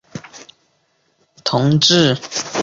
同志弯贝介为弯贝介科弯贝介属下的一个种。